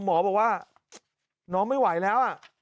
หมอบอกว่าน้องไม่ไหวแล้ว